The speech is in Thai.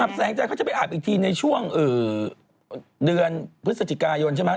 แสงใจเขาจะไปอาบอีกทีในช่วงเดือนพฤศจิกายนใช่ไหม